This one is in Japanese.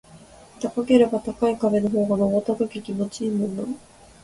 高ければ高い壁の方が登った時気持ちいいもんな